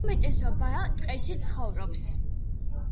უმეტესობა ტყეში ცხოვრობს.